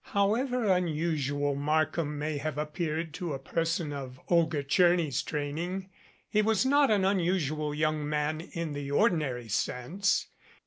However unusual Mark ham may have appeared to a person of Olga Tcherny's training, he was not an unusual young man in the ordi nary sense.